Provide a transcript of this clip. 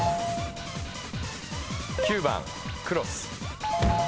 ９番クロス。